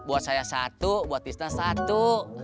buat saya satu buat pista satu